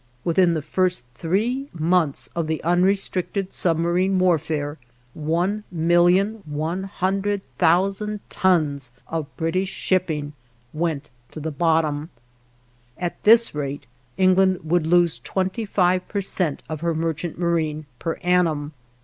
Within the first three months of the unrestricted submarine warfare, 1,100,000 tons of British shipping went to the bottom. At this rate, England would lose 25 per cent of her merchant marine per annum.